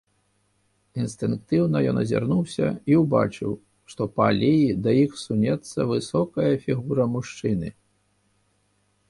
Інстынктыўна ён азірнуўся і ўбачыў, што па алеі да іх сунецца высокая фігура мужчыны.